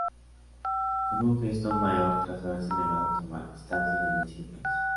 Con un gesto aún mayor, tras haberse negado a tomar estancias del vencido país.